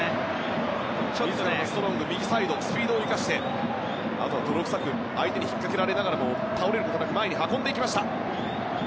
ストロング、右サイドからスピードを生かして泥臭く相手に引っ掛けられながらも倒れることなく前に運んでいきました。